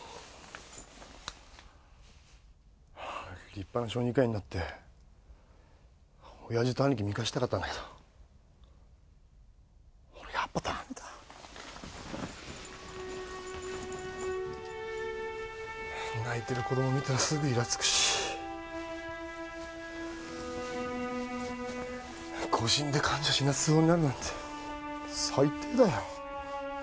立派な小児科医になって親父と兄貴見返したかったんだけど俺やっぱダメだ泣いてる子供見たらすぐイラつくし誤診で患者を死なせそうになるなんて最低だよ